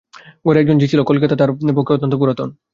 ঘরে একজন ঝি ছিল, কলিকাতা তাহার পক্ষে অত্যন্ত পুরাতন।